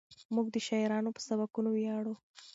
موږ د شاعرانو په سبکونو ویاړو.